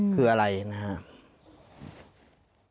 คืออะไรนะฮะ